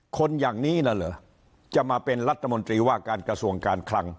คนอย่างนี้น่ะเหรอจะมาเป็นรัฐมนตรีว่าการกระทรวงการคลัง